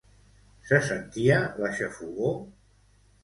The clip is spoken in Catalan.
Se sentia la xafogor?